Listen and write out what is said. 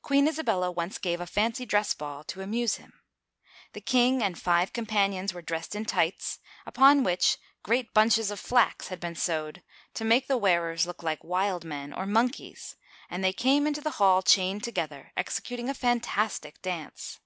Queen Isabella once gave a fancy dress ball to amuse him. The king and five companions were dressed in tights, upon which great bunches of flax had been sewed to make the wearers look like wild men or monkeys, and they came into the hall chained together, executing a fan tastic dance.